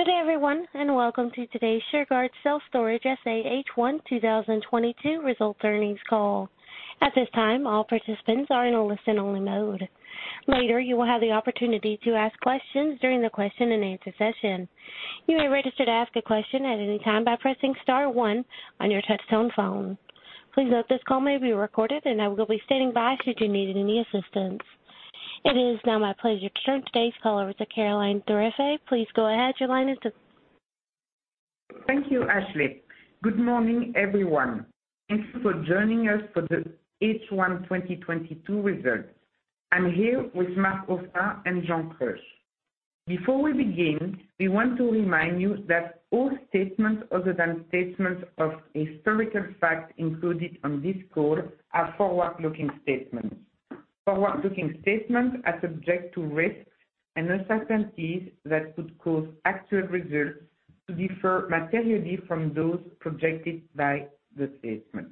Good day everyone, and welcome to today's Shurgard Self Storage SA H1 2022 Results Earnings Call. At this time, all participants are in a listen-only mode. Later, you will have the opportunity to ask questions during the question and answer session. You may register to ask a question at any time by pressing star one on your touchtone phone. Please note this call may be recorded, and I will be standing by should you need any assistance. It is now my pleasure to turn today's call over to Caroline Thirifay. Please go ahead, Caroline. Thank you, Ashley. Good morning, everyone. Thank you for joining us for the H1 2022 results. I'm here with Marc Oursin and Jean Kreusch. Before we begin, we want to remind you that all statements other than statements of historical facts included on this call are forward-looking statements. Forward-looking statements are subject to risks and uncertainties that could cause actual results to differ materially from those projected by the statement.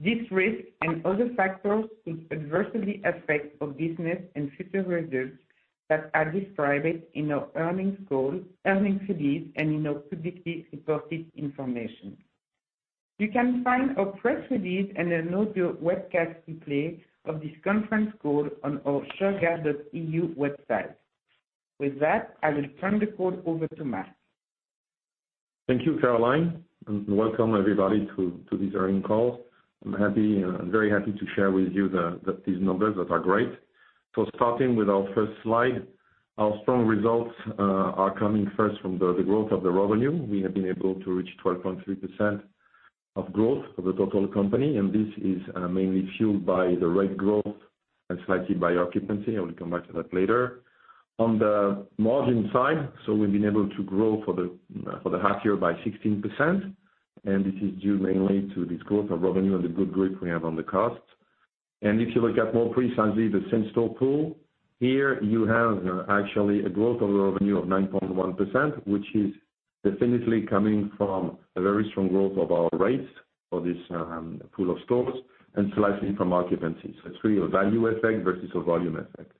These risks and other factors could adversely affect our business and future results that are described in our earnings call, earnings release, and in our publicly reported information. You can find our press release and an audio webcast replay of this conference call on our shurgard.eu website. With that, I will turn the call over to Marc. Thank you, Caroline, and welcome everybody to this earnings call. I'm happy, I'm very happy to share with you these numbers that are great. Starting with our first slide, our strong results are coming first from the growth of the revenue. We have been able to reach 12.3% growth of the total company, and this is mainly fueled by the rate growth and slightly by occupancy. I will come back to that later. On the margin side, we've been able to grow for the half year by 16%, and this is due mainly to this growth of revenue and the good grip we have on the costs. If you look at more precisely the same-store pool, here you have actually a growth of revenue of 9.1%, which is definitely coming from a very strong growth of our rates for this pool of stores and slightly from occupancy. It's really a value effect versus a volume effect.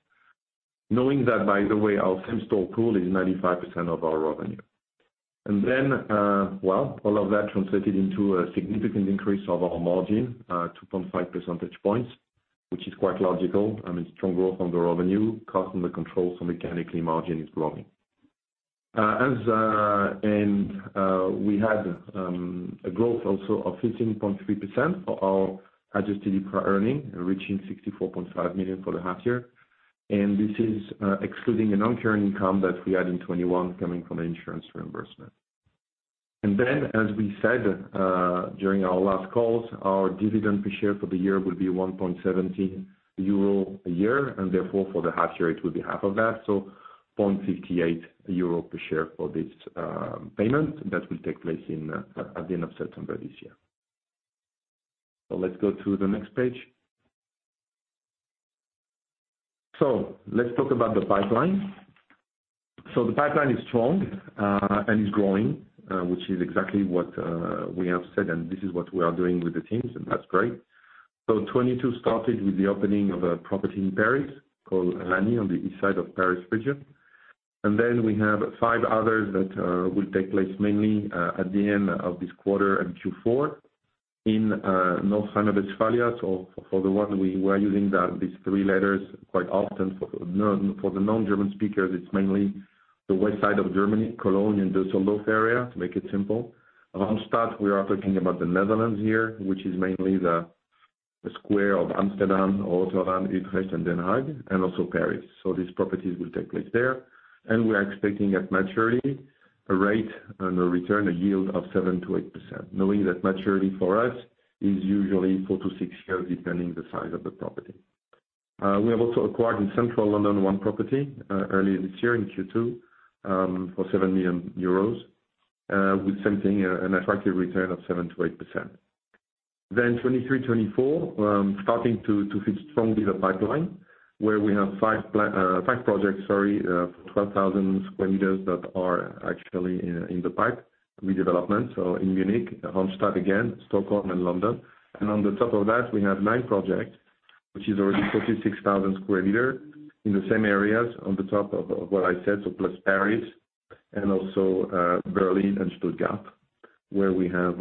Knowing that, by the way, our same store pool is 95% of our revenue. Well, all of that translated into a significant increase of our margin, 2.5 percentage points, which is quite logical. I mean, strong growth on the revenue, cost under control, so mechanically margin is growing. We had a growth also of 15.3% for our adjusted EBITDA earnings, reaching 64.5 million for the half year. This is excluding a non-current income that we had in 2021 coming from an insurance reimbursement. As we said during our last calls, our dividend per share for the year will be 1.70 euro a year, and therefore for the half year it will be half of that, so 0.58 euro per share for this payment that will take place at the end of September this year. Let's go to the next page. Let's talk about the pipeline. The pipeline is strong and is growing, which is exactly what we have said, and this is what we are doing with the teams, and that's great. 2022 started with the opening of a property in Paris called Lagny on the east side of Paris region. We have five others that will take place mainly at the end of this quarter in Q4 in North Rhine-Westphalia. For the one we were using these three letters quite often. For the non-German speakers, it's mainly the west side of Germany, Cologne and Düsseldorf area, to make it simple. Randstad, we are talking about the Netherlands here, which is mainly the square of Amsterdam, Rotterdam, Utrecht, and then The Hague, and also Paris. These properties will take place there. We are expecting at maturity a rate and a return, a yield of 7%-8%, knowing that maturity for us is usually four years-six years, depending the size of the property. We have also acquired in Central London one property, early this year in Q2, for 7 million euros, with same thing, an attractive return of 7%-8%. 2023, 2024, starting to fill strongly the pipeline, where we have five projects, 12,000 square meters that are actually in the pipeline redevelopment. In Munich, Randstad again, Stockholm and London. On the top of that, we have nine projects, which is already 46,000 square meters in the same areas on the top of what I said, so plus Paris and also Berlin and Stuttgart, where we have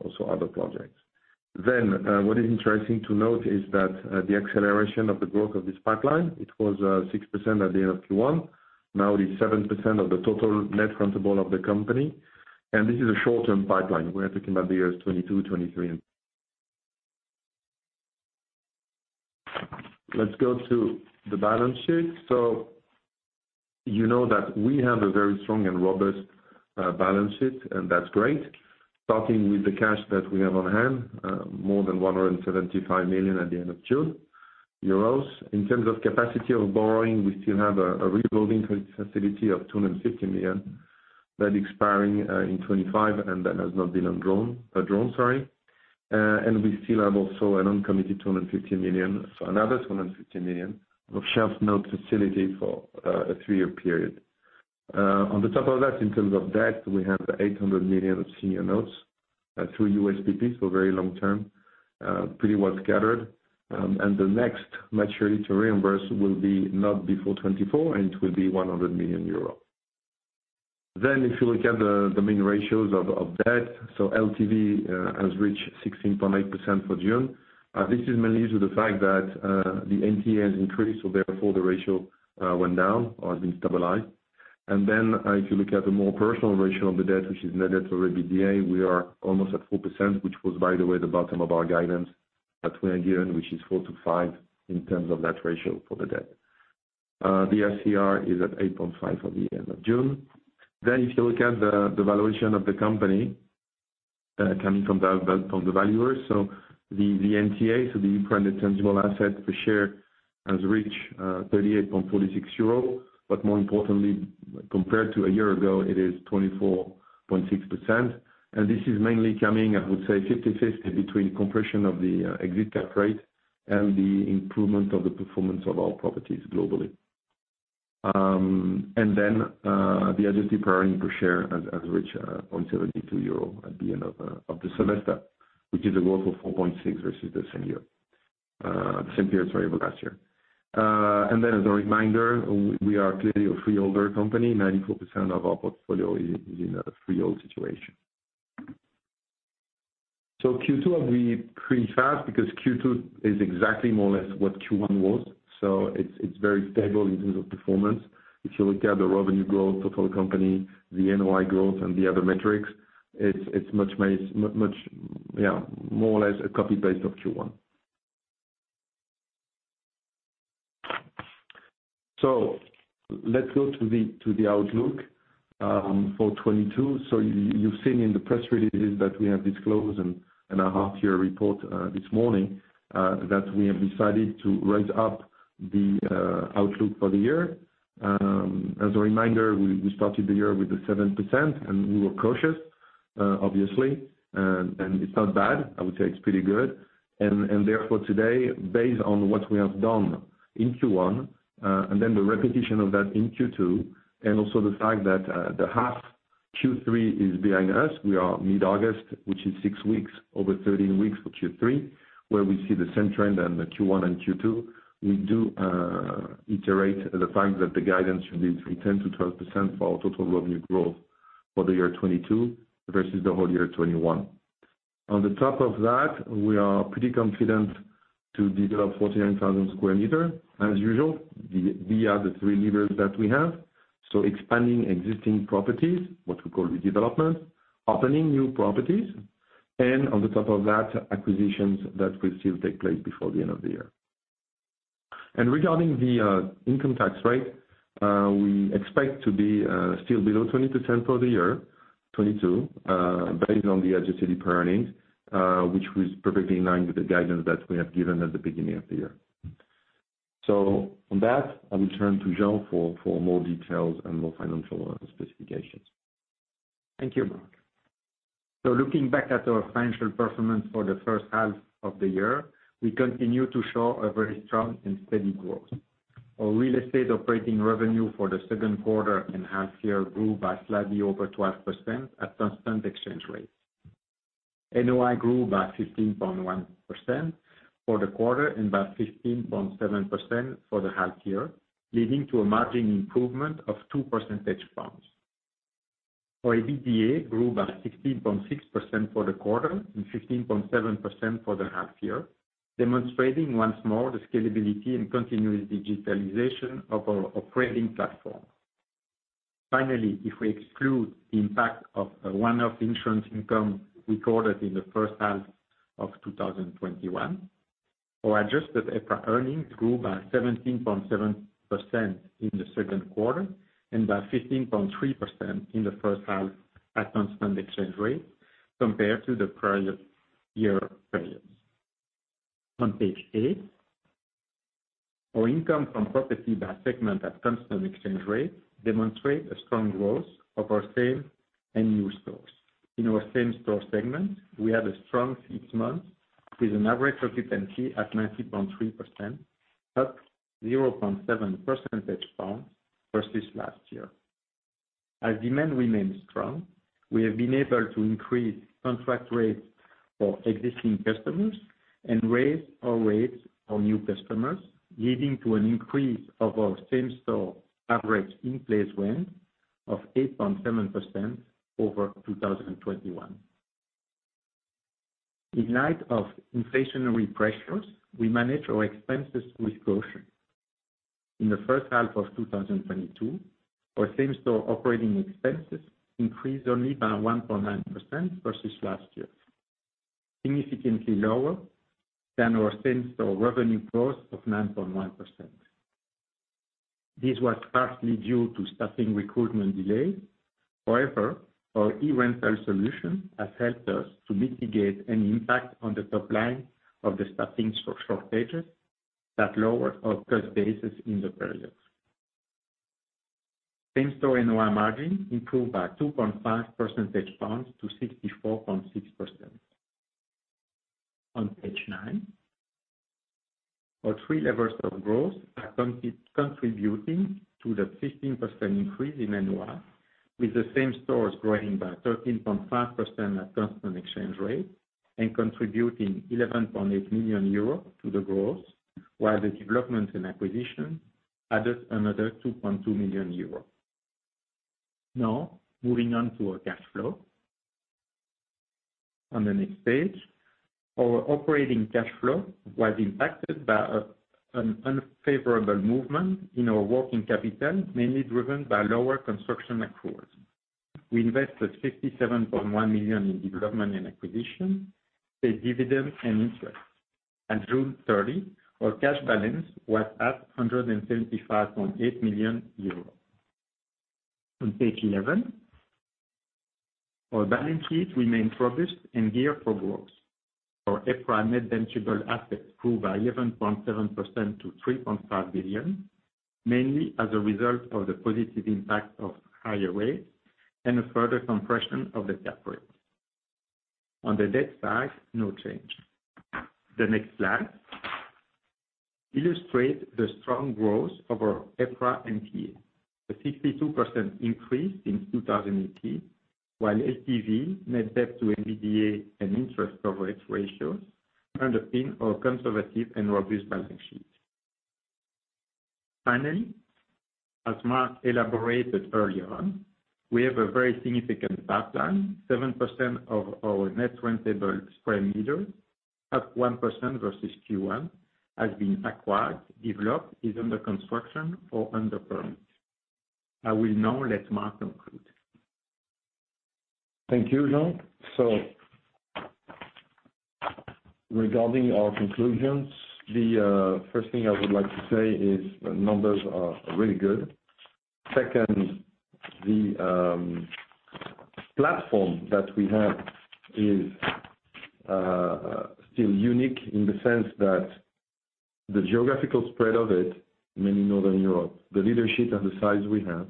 also other projects. What is interesting to note is that, the acceleration of the growth of this pipeline, it was 6% at the end of Q1. Now it is 7% of the total net rentable of the company, and this is a short-term pipeline. We are talking about the years 2022, 2023. Let's go to the balance sheet. You know that we have a very strong and robust balance sheet and that's great. Starting with the cash that we have on hand, more than 175 million at the end of June. In terms of capacity of borrowing, we still have a revolving credit facility of 250 million that expiring in 2025 and that has not been undrawn. And we still have also an uncommitted 250 million, so another 250 million of shelf note facility for a three-year period. On top of that, in terms of debt, we have 800 million of senior notes through USPP, so very long term, pretty well scattered. The next maturity to reimburse will be not before 2024, and it will be 100 million euros. If you look at the main ratios of debt, so LTV has reached 16.8% for June. This is mainly due to the fact that the NTAs increased, so therefore the ratio went down or has been stabilized. If you look at the more leverage ratio of the debt, which is net debt to EBITDA, we are almost at 4%, which was by the way the bottom of our guidance at EUR 28 million, which is 4%-5% in terms of net ratio for the debt. The ICR is at 8.5% at the end of June. If you look at the valuation of the company coming from the valuers. The NTA, the net tangible asset per share has reached 38.46 euro. More importantly, compared to a year ago, it is 24.6%. This is mainly coming, I would say 50/50 between compression of the exit cap rate and the improvement of the performance of our properties globally. The adjusted profit per share has reached 0.72 euro at the end of the semester, which is a growth of 4.6% versus the same period of last year. As a reminder, we are clearly a freeholder company. 94% of our portfolio is in a freehold situation. Q2 will be pretty flat because Q2 is exactly more or less what Q1 was. It's very stable in terms of performance. If you look at the revenue growth, total company, the NOI growth, and the other metrics, it's much more or less a copy-paste of Q1. Let's go to the outlook for 2022. You've seen in the press releases that we have disclosed in our half year report this morning that we have decided to raise up the outlook for the year. As a reminder, we started the year with a 7%, and we were cautious, obviously. It's not bad. I would say it's pretty good. Therefore today, based on what we have done in Q1, and then the repetition of that in Q2, and also the fact that the half Q3 is behind us. We are mid-August, which is six weeks, over 13 weeks for Q3, where we see the same trend as the Q1 and Q2. We reiterate the fact that the guidance should be between 10%-12% for our total revenue growth for the year 2022 versus the whole year 2021. On top of that, we are pretty confident to develop 49,000 square meters. As usual, via the three levers that we have. Expanding existing properties, what we call redevelopment, opening new properties, and on top of that, acquisitions that will still take place before the end of the year. Regarding the income tax rate, we expect to be still below 20% for the year 2022, based on the adjusted earnings, which was perfectly in line with the guidance that we have given at the beginning of the year. On that, I will turn to Jean for more details and more financial specifications. Thank you, Marc. Looking back at our financial performance for the first half of the year, we continue to show a very strong and steady growth. Our real estate operating revenue for the second quarter and half year grew by slightly over 12% at constant exchange rates. NOI grew by 15.1% for the quarter and by 15.7% for the half year, leading to a margin improvement of 2 percentage points. Our EBITDA grew by 16.6% for the quarter and 15.7% for the half year, demonstrating once more the scalability and continuous digitalization of our operating platform. Finally, if we exclude the impact of a one-off insurance income we recorded in the first half of 2021, our adjusted EPRA earnings grew by 17.7% in the second quarter and by 15.3% in the first half at constant exchange rate compared to the prior year periods. On page 8, our income from property by segment at constant exchange rate demonstrate a strong growth of our same and new stores. In our same-store segment, we have a strong six months with an average occupancy at 90.3%, up 0.7 percentage points versus last year. As demand remains strong, we have been able to increase contract rates for existing customers and raise our rates for new customers, leading to an increase of our same-store average in place rent of 8.7% over 2021. In light of inflationary pressures, we manage our expenses with caution. In the first half of 2022, our same-store operating expenses increased only by 1.9% versus last year, significantly lower than our same-store revenue growth of 9.1%. This was partly due to staffing recruitment delays. However, our e-rental solution has helped us to mitigate any impact on the top line of the staffing shortages that lowered our cost basis in the period. Same-store NOI margin improved by 2.5 percentage points to 64.6%. On page nine, our three levers of growth are contributing to the 15% increase in NOI, with the same stores growing by 13.5% at constant exchange rate and contributing 11.8 million euros to the growth. While the development and acquisition added another 2.2 million euros. Now, moving on to our cash flow. On the next page, our operating cash flow was impacted by an unfavorable movement in our working capital, mainly driven by lower construction accruals. We invested 57.1 million in development and acquisition, paid dividend and interest. At June 30, our cash balance was 175.8 million euros. On page eleven, our balance sheet remained robust and geared for growth. Our EPRA Net Tangible Assets grew by 11.7% to 3.5 billion, mainly as a result of the positive impact of higher rates and a further compression of the cap rate. On the debt side, no change. The next slide illustrate the strong growth of our EPRA NTA, a 62% increase since 2018. While LTV, Net Debt to EBITDA and interest coverage ratios underpin our conservative and robust balance sheet. Finally, as Marc elaborated earlier on, we have a very significant pipeline. 7% of our net rentable square meters, up 1% versus Q1, has been acquired, developed, is under construction or under permit. I will now let Marc conclude. Thank you, Jean. Regarding our conclusions, the first thing I would like to say is the numbers are really good. Second, the platform that we have is still unique in the sense that the geographical spread of it, mainly Northern Europe, the leadership and the size we have,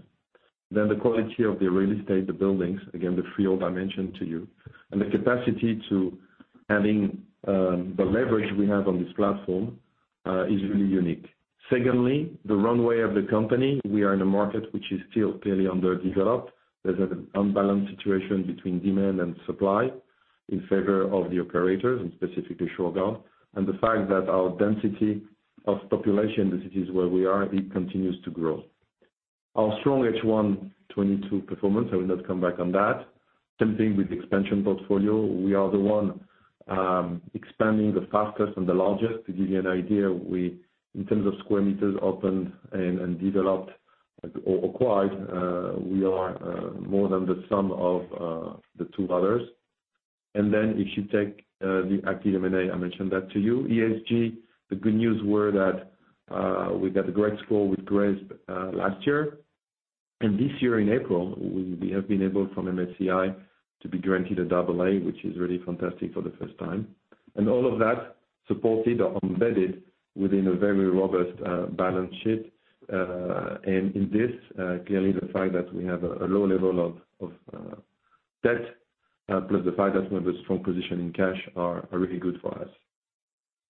then the quality of the real estate, the buildings, again, the three I mentioned to you, and the capacity to adding the leverage we have on this platform is really unique. Secondly, the runway of the company. We are in a market which is still clearly underdeveloped. There's an unbalanced situation between demand and supply in favor of the operators and specifically Shurgard. The fact that our density of population, the cities where we are, it continues to grow. Our strong H1 2022 performance, I will not come back on that. Same thing with expansion portfolio. We are the one expanding the fastest and the largest. To give you an idea, we in terms of square meters opened and developed or acquired, we are more than the sum of the two others. If you take the active M&A, I mentioned that to you. ESG, the good news were that we got a great score with GRESB last year. This year in April, we have been able from MSCI to be granted a double A, which is really fantastic for the first time. All of that supported or embedded within a very robust balance sheet. In this, clearly the fact that we have a low level of debt, plus the fact that we have a strong position in cash are really good for us.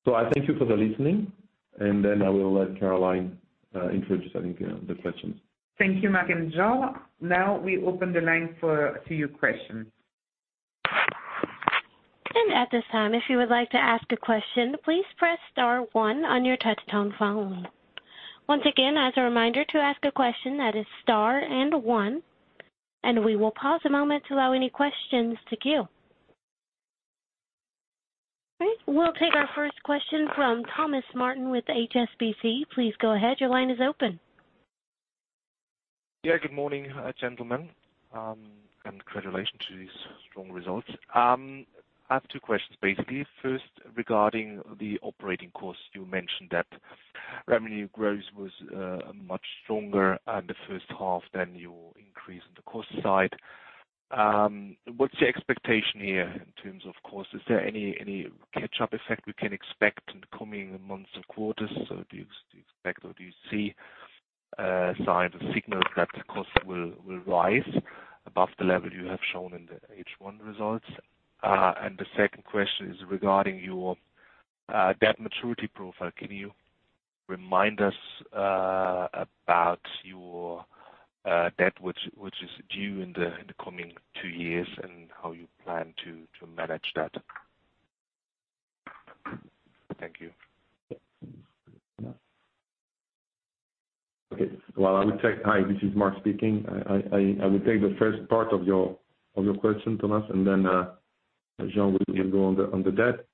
I thank you for the listening, and then I will let Caroline introduce, I think, the questions. Thank you, Marc and Jean. Now we open the line to your questions. At this time, if you would like to ask a question, please press star one on your touch-tone phone. Once again, as a reminder, to ask a question that is star and one, and we will pause a moment to allow any questions to queue. All right, we'll take our first question from Thomas Oversberg with HSBC. Please go ahead. Your line is open. Yeah. Good morning, gentlemen. Congratulations to these strong results. I have two questions basically. First, regarding the operating costs, you mentioned that revenue growth was much stronger in the first half than your increase in the cost side. What's your expectation here in terms of cost? Is there any catch-up effect we can expect in the coming months or quarters? Do you expect or do you see signs or signals that the cost will rise above the level you have shown in the H1 results? The second question is regarding your debt maturity profile. Can you remind us about your debt which is due in the coming two years and how you plan to manage that? Thank you. Hi, this is Marc speaking. I would take the first part of your question, Thomas, and then Jean will go on the debt.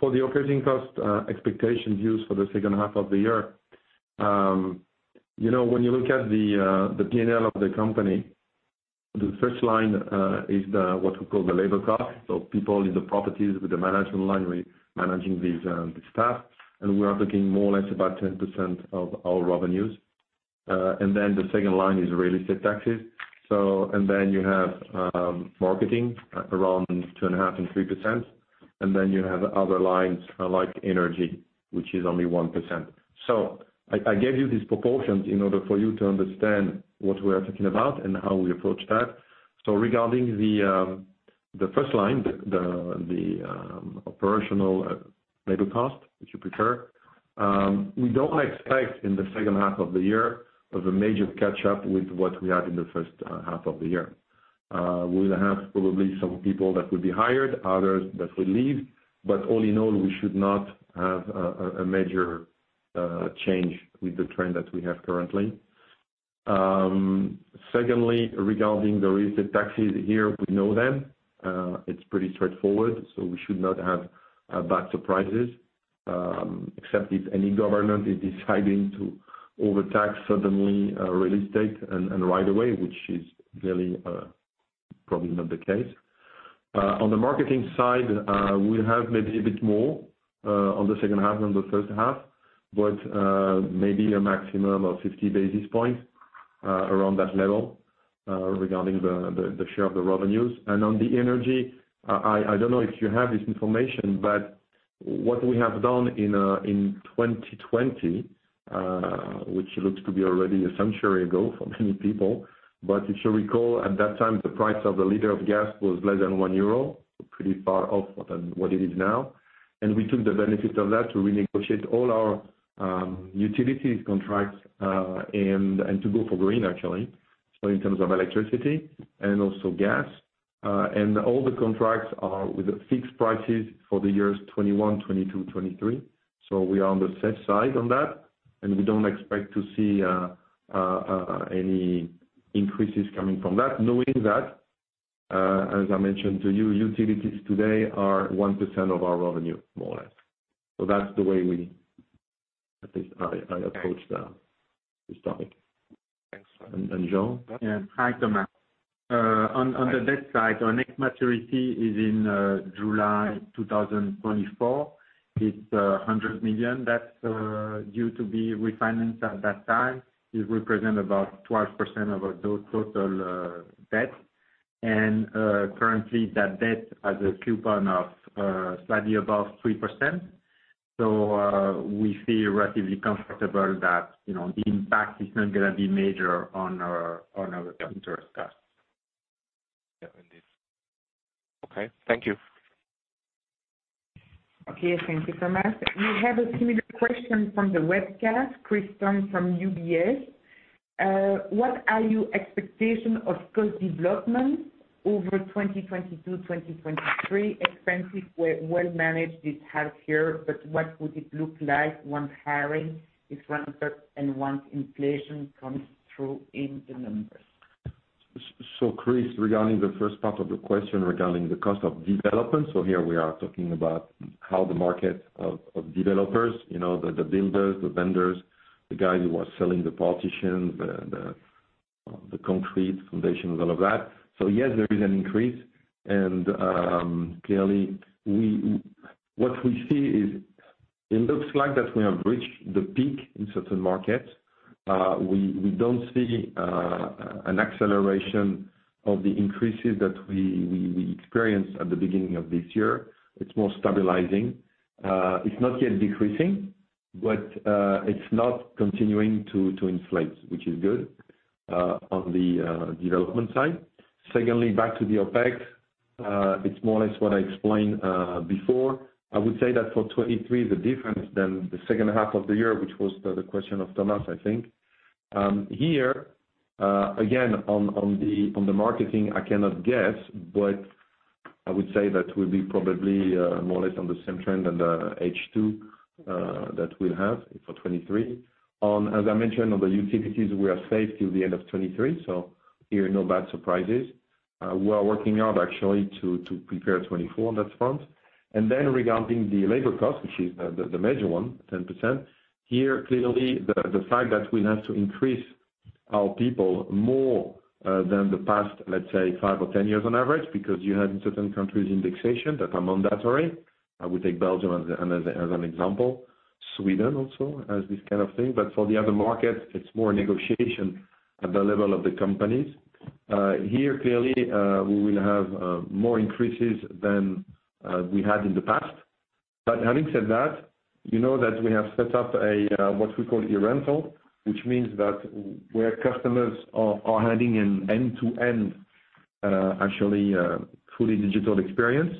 For the operating cost expectations used for the second half of the year. You know, when you look at the P&L of the company, the first line is what we call the labor cost. People in the properties with the management line, we're managing these staff. And we are looking more or less about 10% of our revenues. And then the second line is real estate taxes. And then you have marketing around 2.5%-3%. You have other lines like energy, which is only 1%. I gave you these proportions in order for you to understand what we are talking about and how we approach that. Regarding the first line, the operational labor cost, if you prefer, we don't expect in the second half of the year of a major catch up with what we had in the first half of the year. We'll have probably some people that will be hired, others that will leave. All in all, we should not have a major change with the trend that we have currently. Secondly, regarding the real estate taxes, here we know them. It's pretty straightforward, so we should not have bad surprises, except if any government is deciding to overtax suddenly real estate and right away, which is really probably not the case. On the marketing side, we have maybe a bit more on the second half than the first half, but maybe a maximum of 50 basis points around that level regarding the share of the revenues. On the energy, I don't know if you have this information, but what we have done in 2020, which looks to be already a century ago for many people. If you recall, at that time, the price of a liter of gas was less than 1 euro. Pretty far off what it is now. We took the benefit of that to renegotiate all our utilities contracts, and to go for green, actually, so in terms of electricity and also gas. All the contracts are with fixed prices for the years 2021, 2022, 2023. We are on the safe side on that, and we don't expect to see any increases coming from that. Knowing that, as I mentioned to you, utilities today are 1% of our revenue, more or less. That's the way at least I approach this topic. Thanks. Jean? Yeah. Hi, Thomas. On the debt side, our next maturity is in July 2024. It's 100 million that's due to be refinanced at that time. It represents about 12% of our total debt. Currently that debt has a coupon of slightly above 3%. We feel relatively comfortable that, you know, the impact is not gonna be major on our interest cost. Yeah, indeed. Okay. Thank you. Okay. Thank you, Thomas. We have a similar question from the webcast, Christian from UBS. What are your expectation of cost development over 2022, 2023? Expenses were well managed this half year, but what would it look like once hiring is ramped up and once inflation comes through in the numbers? Chris, regarding the first part of the question regarding the cost of development, here we are talking about how the market of developers, you know, the builders, the vendors, the guy who was selling the partition, the concrete foundations, all of that. Yes, there is an increase. Clearly, what we see is it looks like that we have reached the peak in certain markets. We don't see an acceleration of the increases that we experienced at the beginning of this year. It's more stabilizing. It's not yet decreasing, but it's not continuing to inflate, which is good on the development side. Secondly, back to the OpEx. It's more or less what I explained before. I would say that for 2023, the difference than the second half of the year, which was the question of Thomas, I think. Here, again on the marketing I cannot guess, but I would say that we'll be probably more or less on the same trend than the H2 that we'll have for 2023. As I mentioned, on the utilities we are safe till the end of 2023, so here no bad surprises. We are working hard actually to prepare 2024 on that front. Regarding the labor cost, which is the major one, 10%. Here, clearly the fact that we have to increase our people more than the past, let's say five or 10 years on average, because you had in certain countries indexation that are mandatory. I would take Belgium as an example. Sweden also has this kind of thing. For the other markets, it's more negotiation at the level of the companies. Here, clearly, we will have more increases than we had in the past. Having said that, you know that we have set up what we call e-rental, which means that where customers are having an end-to-end, actually, fully digital experience.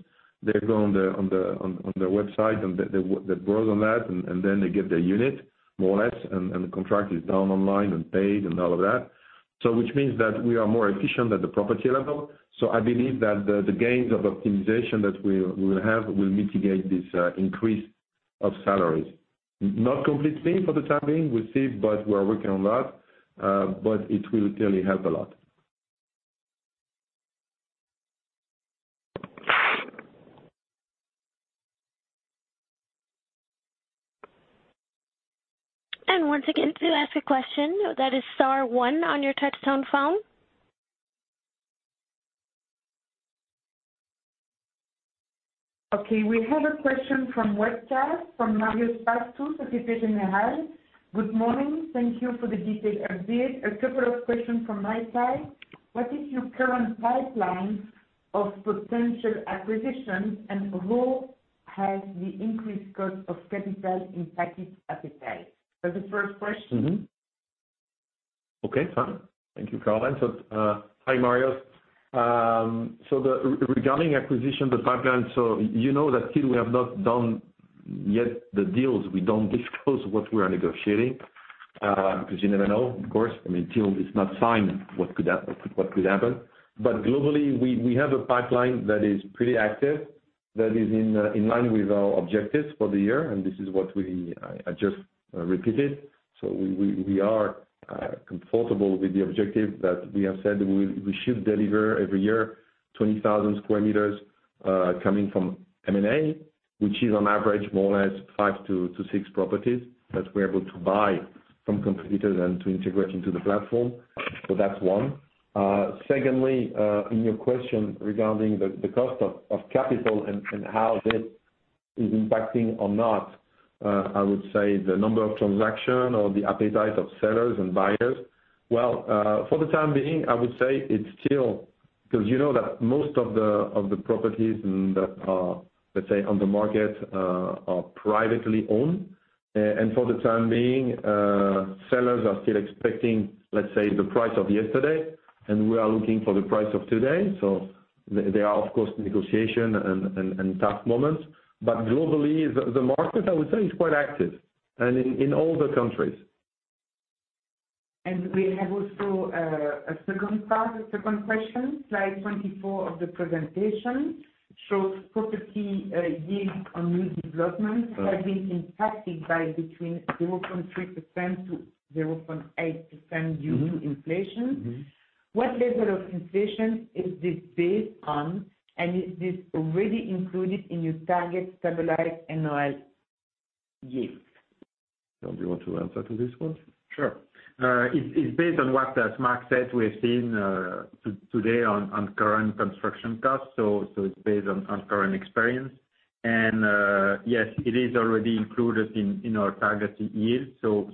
They go on the website and they browse on that, and then they get their unit, more or less, and the contract is done online and paid and all of that. Which means that we are more efficient at the property level. I believe that the gains of optimization that we will have will mitigate this increase of salaries. Not completely for the time being, we'll see, but we are working on that. It will clearly help a lot. Once again, to ask a question, that is star one on your touch-tone phone. Okay, we have a question from webcast from Marios Stasinopoulos, Société Générale. Good morning. Thank you for the detailed update. A couple of questions from my side. What is your current pipeline of potential acquisition and how has the increased cost of capital impacted appetite? That's the first question. Okay, fine. Thank you, Caroline. Hi, Marios. Regarding acquisition, the pipeline, you know that still we have not done yet the deals. We don't disclose what we are negotiating, because you never know, of course. I mean, till it's not signed, what could happen. Globally, we have a pipeline that is pretty active, that is in line with our objectives for the year, and this is what I just repeated. We are comfortable with the objective that we have said we should deliver every year 20,000 square meters, coming from M&A, which is on average more or less five to six properties that we're able to buy from competitors and to integrate into the platform. That's one. Secondly, in your question regarding the cost of capital and how this is impacting or not, I would say the number of transaction or the appetite of sellers and buyers. Well, for the time being, I would say it's still. Because you know that most of the properties in the, let's say, on the market, are privately owned. For the time being, sellers are still expecting, let's say, the price of yesterday, and we are looking for the price of today. There are, of course, negotiation and tough moments. Globally, the market, I would say, is quite active, and in all the countries. We have also a second part, a second question. Slide 24 of the presentation shows property yield on new developments. Uh. Have been impacted by between 0.3%-0.8%. Mm-hmm. Due to inflation. Mm-hmm. What level of inflation is this based on? Is this already included in your target stabilized NOI yield? Jean, do you want to answer to this one? Sure. It's based on what, as Marc said, we have seen today on current construction costs. It's based on current experience. Yes, it is already included in our target yield.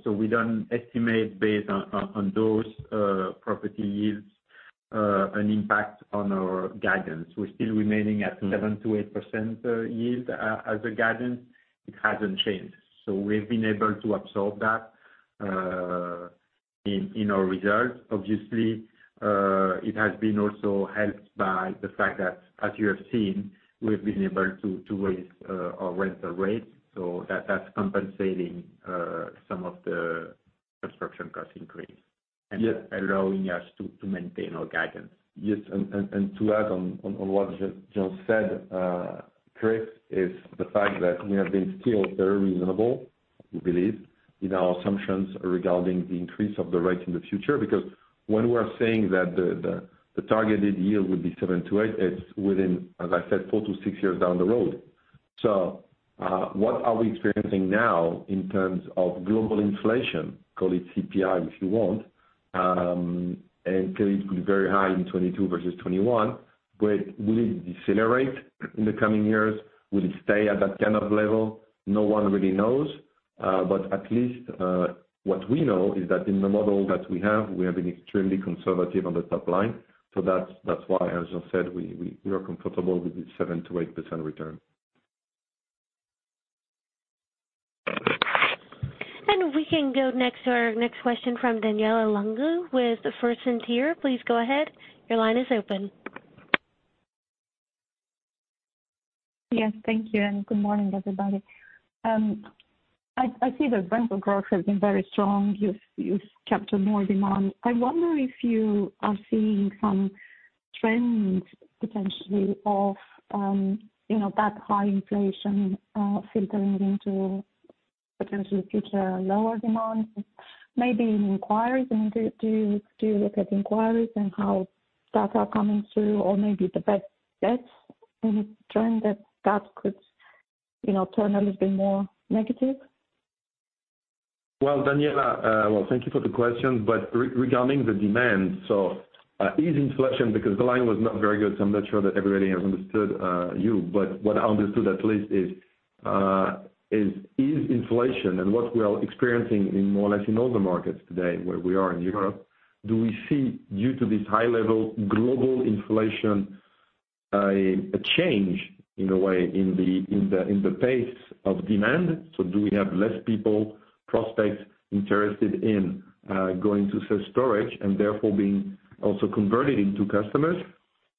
We don't estimate based on those property yields an impact on our guidance. We're still remaining at 7%-8% yield as a guidance. It hasn't changed. We've been able to absorb that in our results. Obviously, it has been also helped by the fact that, as you have seen, we've been able to raise our rental rates, so that's compensating some of the construction cost increase. Yes. Allowing us to maintain our guidance. To add on what Jean said, Chris, is the fact that we have been still very reasonable, we believe, in our assumptions regarding the increase of the rates in the future. Because when we are saying that the targeted yield would be 7%-8%, it's within, as I said, four years-six years down the road. What are we experiencing now in terms of global inflation, call it CPI if you want, and clearly it's been very high in 2022 versus 2021, but will it decelerate in the coming years? Will it stay at that kind of level? No one really knows. At least, what we know is that in the model that we have, we have been extremely conservative on the top line. That's why, as Jean said, we are comfortable with the 7%-8% return. We can go next to our next question from Daniela Lungu with First Sentier Investors. Please go ahead. Your line is open. Yes. Thank you, and good morning, everybody. I see the rental growth has been very strong. You've captured more demand. I wonder if you are seeing some trends potentially of, you know, that high inflation, filtering into potentially future lower demand, maybe in inquiries. I mean, do you look at inquiries and how that are coming through or maybe the best guess in terms that that could, you know, turn a little bit more negative? Well, Daniela, well, thank you for the question. Regarding the demand, is inflation, because the line was not very good, so I'm not sure that everybody has understood you. What I understood at least is inflation and what we are experiencing in more or less all the markets today where we are in Europe. Do we see due to this high level global inflation a change in a way in the pace of demand? Do we have less people, prospects interested in going to self-storage and therefore being also converted into customers?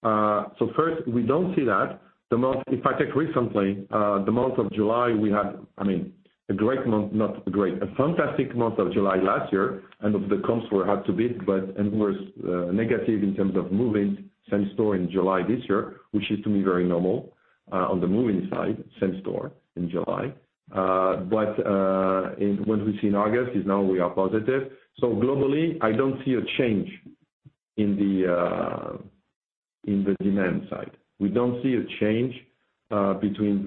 First, we don't see that. If I take recently the month of July, we had, I mean, a great month, not great, a fantastic month of July last year, and of the comps we had to beat, but it was negative in terms of move-in same store in July this year, which is to me very normal on the move-in side, same store in July. What we see in August is now we are positive. So globally, I don't see a change in the demand side. We don't see a change between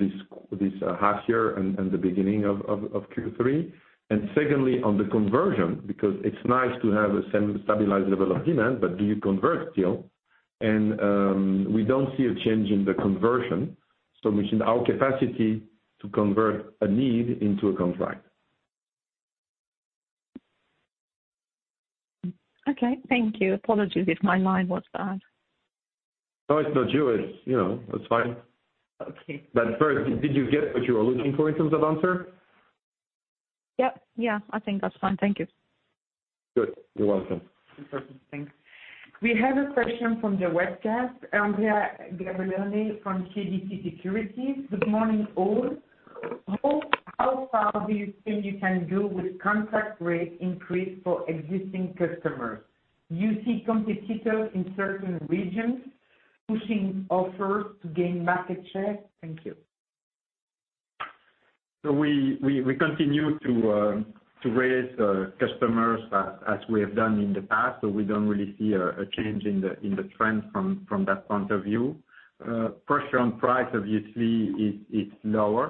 this half year and the beginning of Q3. Secondly, on the conversion, because it's nice to have a same stabilized level of demand, but do you convert still? We don't see a change in the conversion, so within our capacity to convert a need into a contract. Okay, thank you. Apologies if my line was bad. No, it's not you. It's, you know, it's fine. Okay. First, did you get what you were looking for in terms of answer? Yep. Yeah, I think that's fine. Thank you. Good. You're welcome. Perfect. Thanks. We have a question from the webcast. Andrea Gavilanes from CIC Securities. Good morning, all. How far do you think you can go with contract rate increase for existing customers? Do you see competitors in certain regions pushing offers to gain market share? Thank you. We continue to attract customers as we have done in the past, so we don't really see a change in the trend from that point of view. Pressure on price obviously is lower.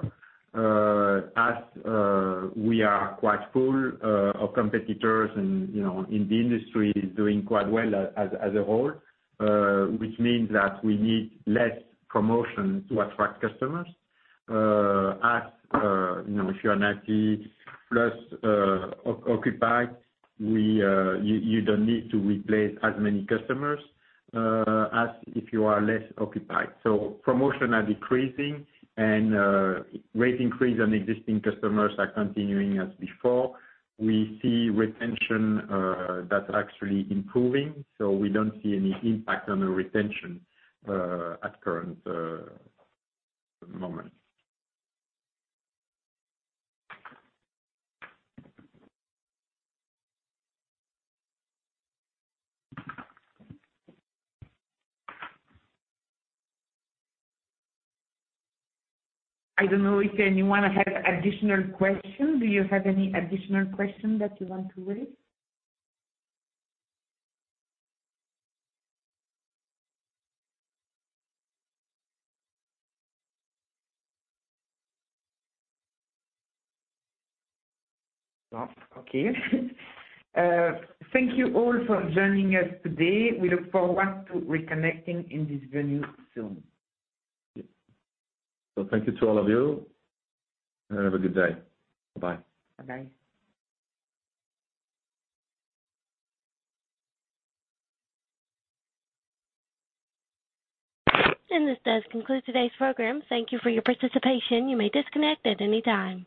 As we are quite full, our competitors and, you know, the industry is doing quite well as a whole, which means that we need less promotion to attract customers, as you know, if you're 90+ occupied, you don't need to replace as many customers as if you are less occupied. Promotions are decreasing and rate increases on existing customers are continuing as before. We see retention that's actually improving, so we don't see any impact on the retention at the current moment. I don't know if anyone has additional questions. Do you have any additional questions that you want to raise? No. Okay. Thank you all for joining us today. We look forward to reconnecting in this venue soon. Thank you to all of you, and have a good day. Bye-bye. Bye-bye. This does conclude today's program. Thank you for your participation. You may disconnect at any time.